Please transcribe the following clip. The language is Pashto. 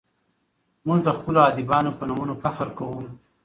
موږ د خپلو ادیبانو په نومونو فخر کوو.